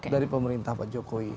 dari pemerintah pak jokowi